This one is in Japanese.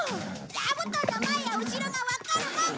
座布団の前や後ろがわかるもんか！